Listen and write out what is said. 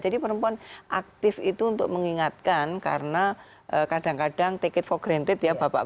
jadi perempuan aktif itu untuk mengingatkan karena kadang kadang take it for granted ya bapak bapak itu